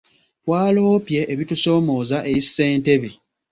Twaloopye ebitusoomooza eri ssentebe.